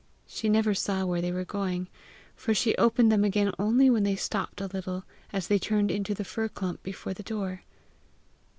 She never saw where they were going, for she opened them again only when they stopped a little as they turned into the fir clump before the door.